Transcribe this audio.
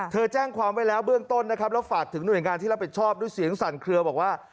แจ้งความไว้แล้วเบื้องต้นนะครับแล้วฝากถึงหน่วยงานที่รับผิดชอบด้วยเสียงสั่นเคลือบอกว่า